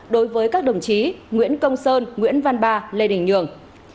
đối với các đồng chí nguyễn công sơn nguyễn văn ba lê đình nhường